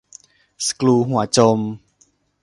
สกรูหัวจม